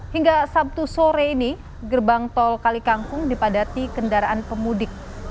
hingga sabtu sore ini gerbang tol kalikangkung dipadati kendaraan pemudik